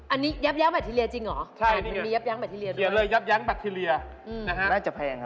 อันนี้ผมว่าดูก็แพงเหมือนกันนะ